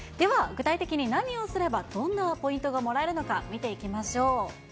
具体的に何をすればどんなポイントがもらえるのか、見ていきましょう。